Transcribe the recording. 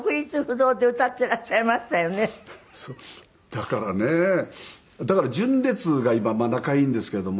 だからねだから純烈が今仲いいんですけれども。